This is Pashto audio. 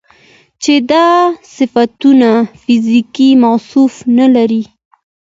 چې دا صفتونه فزيکي موصوف نه لري